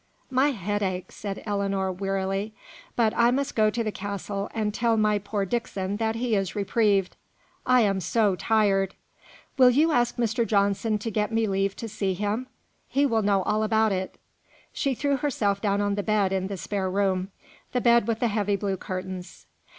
"My head aches!" said Ellinor, wearily. "But I must go to the castle, and tell my poor Dixon that he is reprieved I am so tired! Will you ask Mr. Johnson to get me leave to see him? He will know all about it." She threw herself down on the bed in the spare room; the bed with the heavy blue curtains.